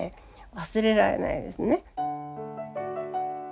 忘れられないですね。